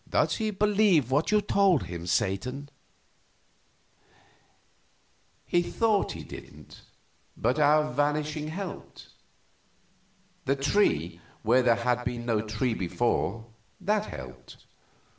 "Does he believe what you told him, Satan?" "He thought he didn't, but our vanishing helped. The tree, where there had been no tree before that helped.